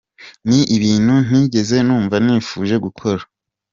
Ni ibintu ntigeze numva nifuje gukora.